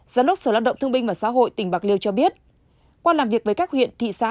giám đốc sở lao động thương binh và xã hội tỉnh bạc liêu cho biết qua làm việc với các huyện thị xã